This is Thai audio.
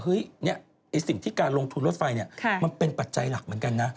สิ่งที่การลงทุนรถไฟมันเป็นปัจจัยหลักเหมือนกันนะ